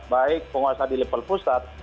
baik penguasa di level pusat